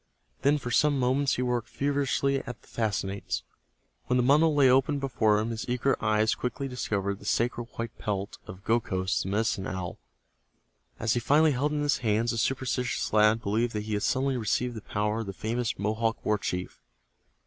Then for some moments he worked feverishly at the fastenings. When the bundle lay open before him his eager eyes quickly discovered the sacred white pelt of Gokhos, the Medicine Owl. As he finally held it in his hands, the superstitious lad believed that he had suddenly received the power of the famous Mohawk war chief.